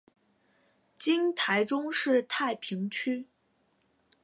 今台中市太平区。